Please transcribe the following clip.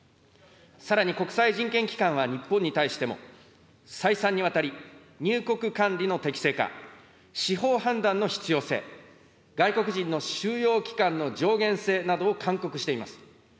さらに国際人権機関は日本に対しても、再三にわたり、入国管理の適正化、司法判断の必要性、外国人の収容期間の上限制などを勧告しています。